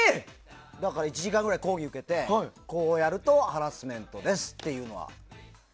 だから１時間ぐらい講義を受けてこうやるとハラスメントですっていうのは。